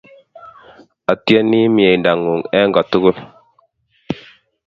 Atieni mie-mdang'ung'. En ko tugul